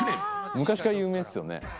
昔から有名っすよね。